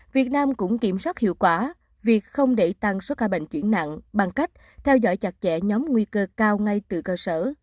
việt nam cũng kiểm soát hiệu quả việc không để tăng số ca bệnh chuyển nặng bằng cách theo dõi chặt chẽ nhóm nguy cơ cao ngay từ cơ sở